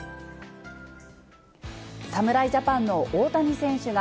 侍ジャパンの大谷選手が、